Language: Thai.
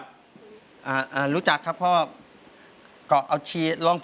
น้อยดูลายมอนมานี่ก่อน